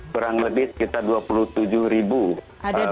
kurang lebih sekitar dua puluh tujuh ribu